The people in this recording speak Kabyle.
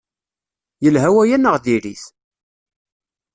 Yelha waya neɣ diri-t?